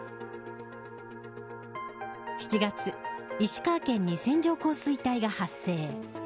７月、石川県に線状降水帯が発生。